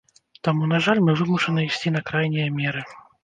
Таму, на жаль, мы вымушаныя ісці на крайнія меры.